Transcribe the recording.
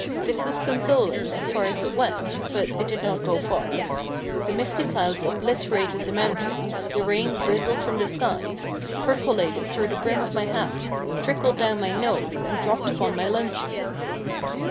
This was consoling, as far as it went, but it did not go far. The misty clouds obliterated the mountains, the rain drizzled from the skies, percolated through the brim of my hat, trickled down my nose, and dropped upon my luncheon.